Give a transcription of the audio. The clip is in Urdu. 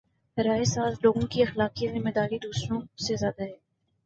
رائے ساز لوگوں کی اخلاقی ذمہ داری دوسروں سے زیادہ ہے۔